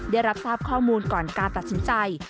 เดี๋ยวรับสข้อมูลก่อนการตัดสินใจ